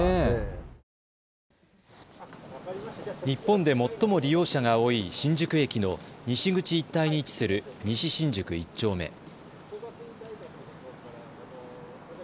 日本で最も利用者が多い新宿駅の西口一帯に位置する西新宿１丁目。